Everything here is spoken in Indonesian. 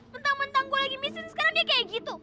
mentang mentang gue lagi mesin sekarang dia kayak gitu